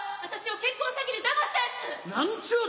私を結婚詐欺でだましたやつ！